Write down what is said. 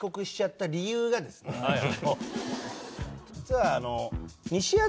実は。